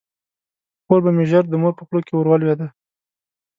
خور به مې ژر د مور په خوله کې ور ولویده.